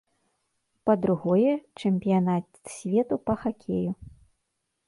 Па-другое, чэмпіянат свету па хакею.